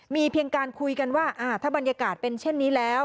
มีเพียงการคุยกันว่าถ้าบรรยากาศเป็นเช่นนี้แล้ว